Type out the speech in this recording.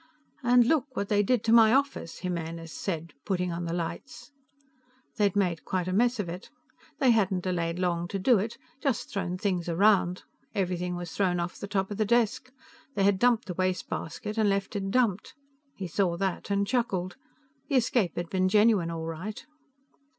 "And look what they did to my office," Jimenez said, putting on the lights. They'd made quite a mess of it. They hadn't delayed long to do it, just thrown things around. Everything was thrown off the top of the desk. They had dumped the wastebasket, and left it dumped. He saw that and chuckled. The escape had been genuine all right.